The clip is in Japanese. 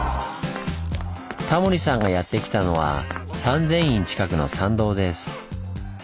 タモリさんがやって来たのは三千院近くの参道です。